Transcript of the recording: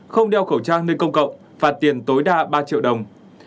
không đeo khẩu trang nơi công cộng phạt tiền tối đa ba triệu đồng